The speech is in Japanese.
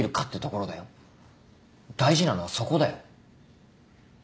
大事なのはそこだよ。